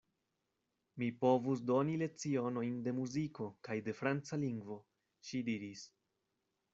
Mi povus doni lecionojn de muziko kaj de franca lingvo, ŝi diris.